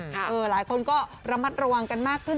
หลายคนก็ระมัดระวังกันมากขึ้น